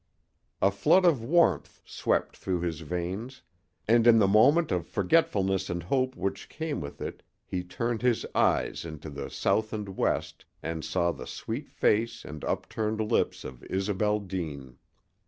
A flood of warmth swept through his veins, and in the moment of forgetfulness and hope which came with it he turned his eyes into the south and west and saw the sweet face and upturned lips of Isobel Deane.